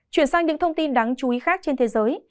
chuyển sang những thông tin đáng chú ý khác trên thế giới